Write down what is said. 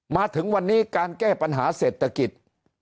มาถึงวันนี้การแก้ปัญหาเศรษฐกิจ